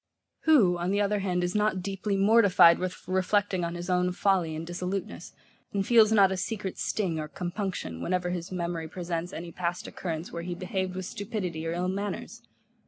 Who, on the other hand, is not deeply mortified with reflecting on his own folly and dissoluteness, and feels not a secret sting or compunction whenever his memory presents any past occurrence, where he behaved with stupidity of ill manners?